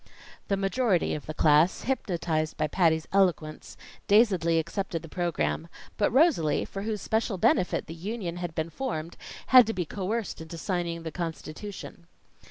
The majority of the class, hypnotized by Patty's eloquence, dazedly accepted the program; but Rosalie, for whose special benefit the union had been formed, had to be coerced into signing the constitution.